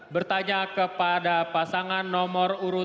bertanya kepada pasangan nomor urut dua